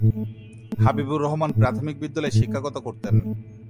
হাবিবুর রহমান প্রাথমিক বিদ্যালয়ে শিক্ষকতা করতেন।